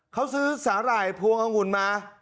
เขาซื้อสาหร่ายพวงองุ่นมา